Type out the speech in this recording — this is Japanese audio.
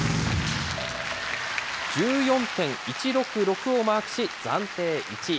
１４．１６６をマークし、暫定１位。